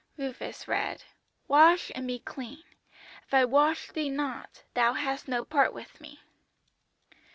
"Rufus read: '"Wash and be clean." "If I wash thee not, thou hast no part with Me."'